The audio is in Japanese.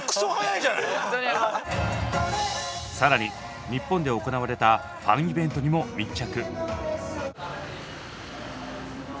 更に日本で行われたファンイベントにも密着。